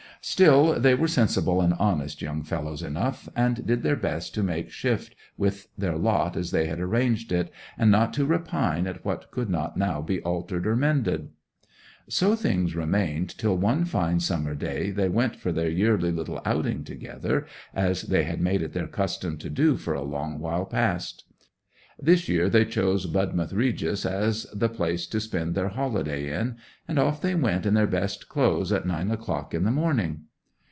Still, they were sensible and honest young fellows enough, and did their best to make shift with their lot as they had arranged it, and not to repine at what could not now be altered or mended. 'So things remained till one fine summer day they went for their yearly little outing together, as they had made it their custom to do for a long while past. This year they chose Budmouth Regis as the place to spend their holiday in; and off they went in their best clothes at nine o'clock in the morning.